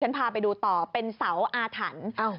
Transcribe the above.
พาไปดูต่อเป็นเสาอาถรรพ์